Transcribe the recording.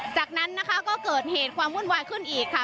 จากนั้นนะคะก็เกิดเหตุความวุ่นวายขึ้นอีกค่ะ